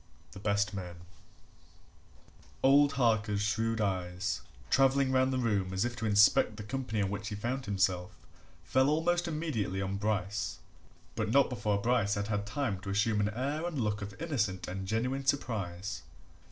THE BEST MAN Old Harker's shrewd eyes, travelling round the room as if to inspect the company in which he found himself, fell almost immediately on Bryce but not before Bryce had had time to assume an air and look of innocent and genuine surprise.